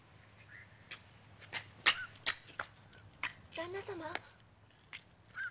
旦那様？